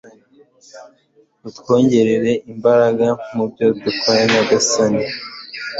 utwongerere imbaraga mu byo dukora nyagasani